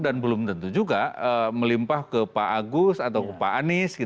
dan belum tentu juga melimpah ke pak agus atau pak anies